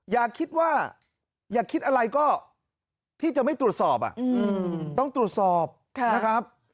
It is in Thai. อย่าคิดว่าอย่าคิดอะไรก็พี่จะไม่ตรวจสอบต้องตรวจสอบนะครับ